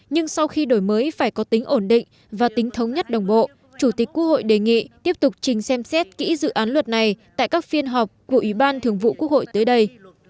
nhưng sau khi đổi mới phải có tính ổn định và tính thống nhất đồng bộ chủ tịch quốc hội đề nghị tiếp tục trình xem xét kỹ dự án luật này tại các phiên họp của ủy ban thường vụ quốc hội tới đây